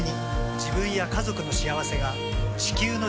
自分や家族の幸せが地球の幸せにつながっている。